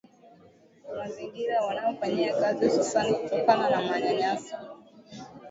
mazingira wanayofanyia kazi hususan kutokana na manyanyaso